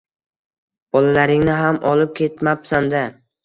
Bolalaringni ham olib kelmabsan-da